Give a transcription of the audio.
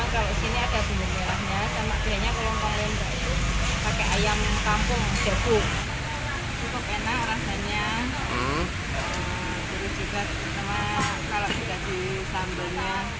kalaunya di m saint pierre heels juga dibelut pakai mixture ayam vic sinis ada dalam masernya